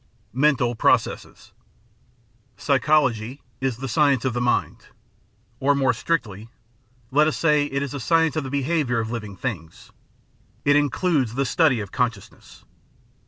§3 Mental Processes Psychology is the science of the mind, or more strictly, let us say, it is the science of the behaviour of living things ; it includes the study of consciousness.